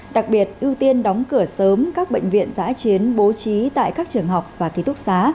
đặc biệt ưu tiên đóng cửa sớm các bệnh viện giã chiến bố trí tại các trường học và ký túc xá